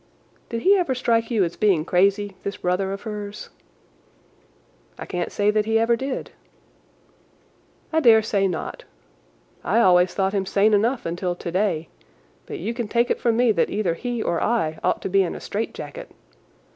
"Did he ever strike you as being crazy—this brother of hers?" "I can't say that he ever did." "I dare say not. I always thought him sane enough until today, but you can take it from me that either he or I ought to be in a straitjacket.